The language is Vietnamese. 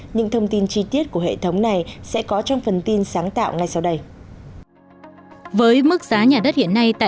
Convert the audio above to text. những thông tin chi tiết của hệ thống này sẽ có trong phần tin sáng tạo ngay sau đây